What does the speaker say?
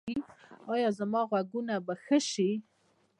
ایا زما غوږونه به ښه شي؟